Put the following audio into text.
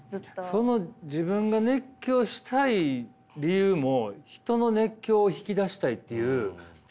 その自分が熱狂したい理由も人の熱狂を引き出したいという全部自分よりも。